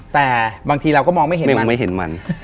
แต่บางทีเราก็มองไม่เห็นมัน